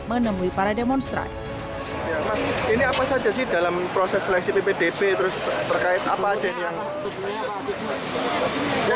menemui para demonstran ini apa saja sih dalam proses seleksi ppdb terus terkait apa aja yang